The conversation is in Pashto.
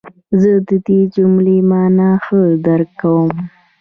زه د دې جملې مانا ښه درک کوم.